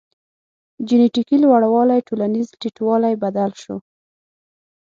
جنټیکي لوړوالی ټولنیز ټیټوالی بدل شو.